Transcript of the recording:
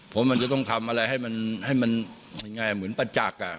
เพราะมันจะต้องทำอะไรให้มันมันยังไงเหมือนปัจจักร